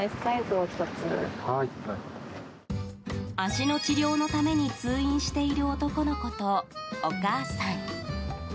足の治療のために通院している男の子とお母さん。